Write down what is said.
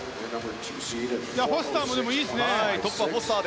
でも、フォスターもいいですね。